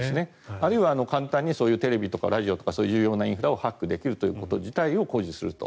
あるいは簡単にテレビとかラジオとかそういう重要なインフラをハックできるということ自体を誇示すると。